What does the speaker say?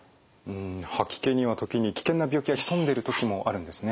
吐き気には時に危険な病気が潜んでる時もあるんですね。